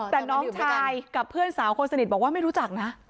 แต่น้องชายกับเพื่อนสาวคนสนิทบอกว่าไม่รู้จักนะ